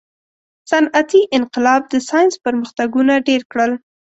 • صنعتي انقلاب د ساینس پرمختګونه ډېر کړل.